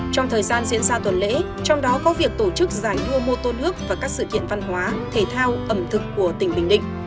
trong thời gian diễn ra tuần lễ trong đó có việc tổ chức giải đua mô tô nước và các sự kiện văn hóa thể thao ẩm thực của tỉnh bình định